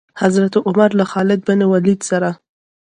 حضرت عمر له خالد بن ولید سره.